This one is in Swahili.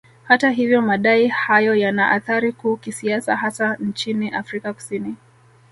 Hata hivyo madai hayo yana athari kuu kisiasa hasa nchini Afrika Kusini